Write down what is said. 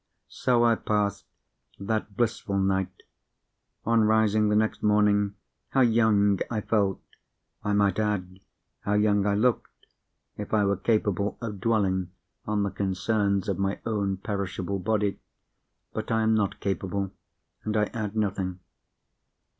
So I passed that blissful night. On rising the next morning, how young I felt! I might add, how young I looked, if I were capable of dwelling on the concerns of my own perishable body. But I am not capable—and I add nothing.